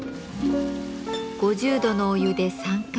５０度のお湯で３回。